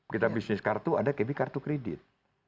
kita bisnis kartu ada kb kartu kredit